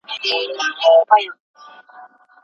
کارته پر بایسکل تلل سپارښتنه کېږي.